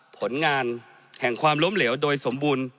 ผลงานแห่งความล้มเหลวโดยสมบูรณ์